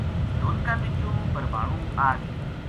دھُند کا بِچوں بھربھانو آ گیو